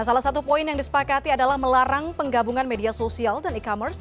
salah satu poin yang disepakati adalah melarang penggabungan media sosial dan e commerce